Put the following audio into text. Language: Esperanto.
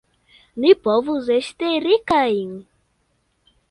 Ni povus esti riĉaj!